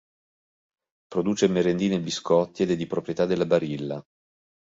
Produce merendine e biscotti, ed è di proprietà della Barilla.